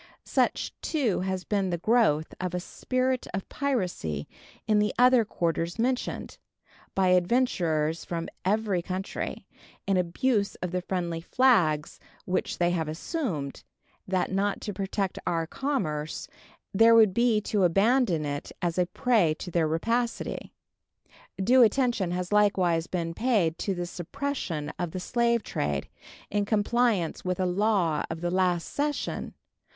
Such, too, has been the growth of a spirit of piracy in the other quarters mentioned, by adventurers from every country, in abuse of the friendly flags which they have assumed, that not to protect our commerce there would be to abandon it as a prey to their rapacity. Due attention has likewise been paid to the suppression of the slave trade, in compliance with a law of the last session.